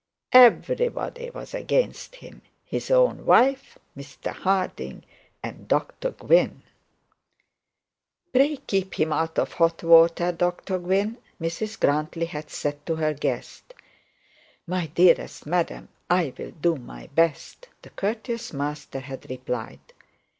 Everybody was against him; his own wife, Mr Harding, and Dr Gwynne. 'Pray keep him out of hot water, Dr Gwynne,' Mrs Grantly had said to her guest. 'My dearest madam, I'll do my best,' the courteous master had replied.